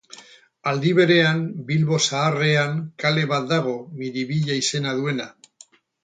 Aldi berean, Bilbo Zaharrean kale bat dago Miribilla izena duena.